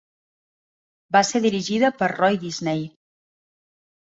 Va ser dirigida per Roy Disney.